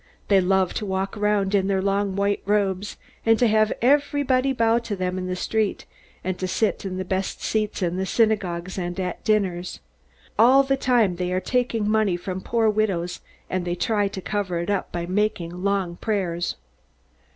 They love to walk around in their long white robes, and to have everybody bow to them in the street, and to sit in the best seats in the synagogues and at dinners. All the time they are taking money from poor widows and they try to cover it up by making long prayers."